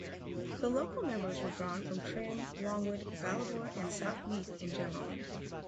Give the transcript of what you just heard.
The local members were drawn from Trim, Longwood, Ballivor and South Meath in general.